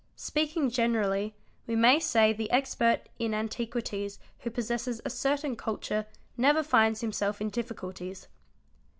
Speaking generally we may say the expert in antiquities who pos sesses a certain culture never finds himself in difficulties.